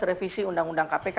revisi undang undang kpk